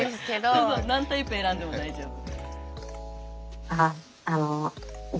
そうそう何タイプ選んでも大丈夫。